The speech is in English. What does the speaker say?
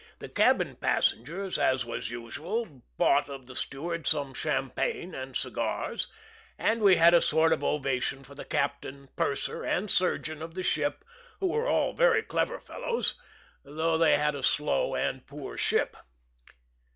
The cabin passengers, as was usual, bought of the steward some champagne and cigars, and we had a sort of ovation for the captain, purser, and surgeon of the ship, who were all very clever fellows, though they had a slow and poor ship.